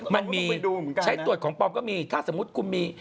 มันมีใช้ตรวจของปลอมก็มีถ้าสมมุติคุณมี